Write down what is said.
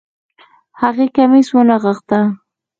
هغې کميس ونغښتۀ